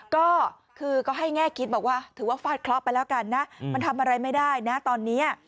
ก็คือก็ให้แง่คิดบอกว่าถือว่าฟาดเคราะห์ไปแล้วกันนะมันทำอะไรไม่ได้นะตอนนี้